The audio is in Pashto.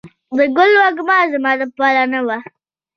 د ګل وږمه زما دپار نه وه